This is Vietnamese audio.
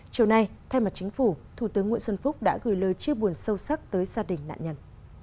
chiều nay thay mặt chính phủ thủ tướng nguyễn xuân phúc đã gửi lời chia buồn sâu sắc tới gia đình nạn nhân